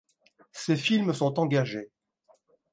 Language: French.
Ses films sont engagés.